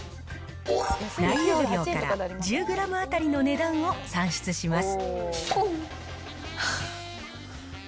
内容量から１０グラム当たりの値段を算出します。